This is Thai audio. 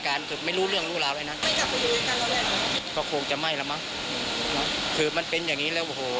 คือไม่รู้เรื่องรู้แล้วเลยนะ